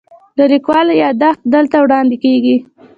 د لیکوال یادښت دلته وړاندې کیږي.